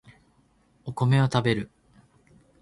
お米を食べる